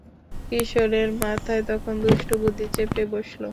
কিশোরের মাথায় তখন দুষ্টু বুদ্ধি চেপে বসলো।